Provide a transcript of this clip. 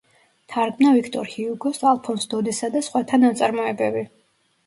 თარგმნა ვიქტორ ჰიუგოს, ალფონს დოდეს და სხვათა ნაწარმოებები.